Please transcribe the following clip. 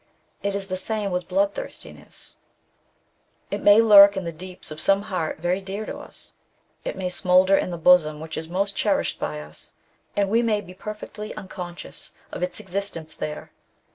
It is the same with bloodthirstiness. It may lurk in the NATURAL CAUSES OF LYCANTHROPY. 139 deeps of some heart very dear to us. It may smoulder in the bosom which is most cherished by us, and we may be perfectly unconscious of its existence there.